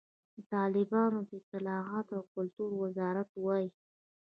د طالبانو د اطلاعاتو او کلتور وزارت وایي،